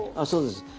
そうです。